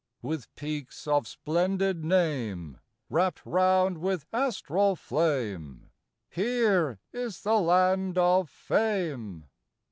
With peaks of splendid name, Wrapped round with astral flame, Here is the land of Fame.